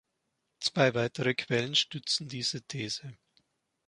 Zwei weitere Quellen stützen diese These.